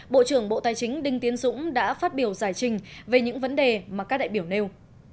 bộ trưởng bộ tài chính đinh tiến dũng đã phát biểu giải trình về những vấn đề mà các đại biểu nêu